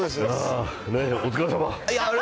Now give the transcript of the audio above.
お疲れさま。